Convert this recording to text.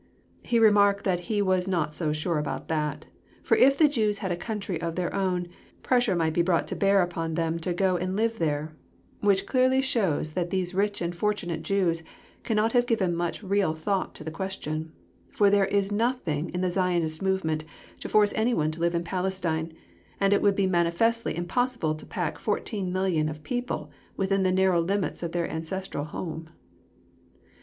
He remarked that he was not so sure about that, for if the Jews had a country of their own, pressure might be brought to bear upon them to go and live there which clearly shows that these rich and fortunate Jews cannot have given much real thought to the question, for there is nothing in the Zionist movement to force anyone to live in Palestine, and it would be manifestly impossible to pack 14,000,000 of people within the narrow limits of their ancestral home.